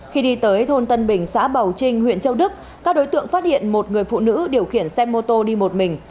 khi đi tới thôn tân bình xã bảo trinh huyện châu đức các đối tượng phát hiện một người phụ nữ điều khiển xe mô tô đi một mình